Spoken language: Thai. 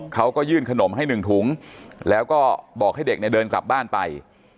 เขาก็ยื่นขนมให้๑ถุงแล้วก็บอกให้เด็กเนี่ยเดินกลับบ้านไป